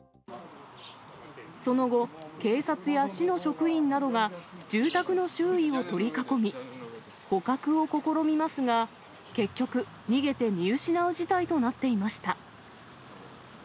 その後、警察や市の職員などが、住宅の周囲を取り囲み、捕獲を試みますが、結局、逃げて見失う事態となっていました。